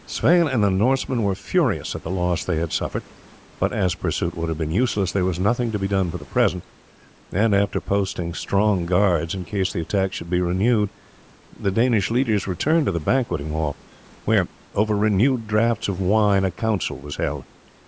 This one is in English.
Sweyn and the Norsemen were furious at the loss they had suffered; but as pursuit would have been useless, there was nothing to be done for the present, and after posting strong guards in case the attack should be renewed, the Danish leaders returned to the banqueting hall, where, over renewed draughts of wine, a council was held.